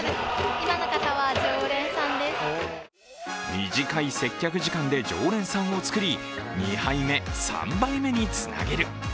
短い接客時間で常連さんをつくり、２杯目、３杯目につなげる。